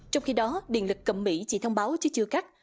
trong khi đó điện lực cầm mỹ chỉ thông báo chứ chưa cắt